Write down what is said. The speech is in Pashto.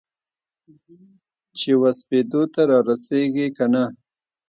چې وسپېدو ته رارسیږې کنه؟